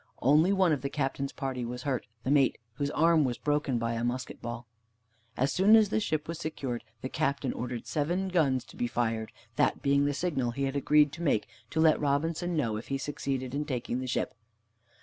Only one of the Captain's party was hurt, the mate, whose arm was broken by a musket ball. As soon as the ship was secured, the Captain ordered seven guns to be fired, that being the signal he had agreed to make to let Robinson know if he succeeded in taking the ship.